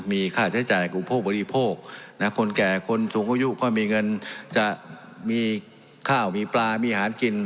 มีค่าใช้จ่ายกลุ่มผู้บริโภคคนแก่คนสูงอายุก็มีเงินจะมีข้าวมีปลามีอาหารกิน